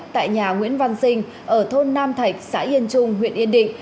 tại nhà nguyễn văn sinh ở thôn nam thạch xã yên trung huyện yên định